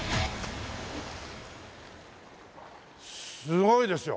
すごいですよ！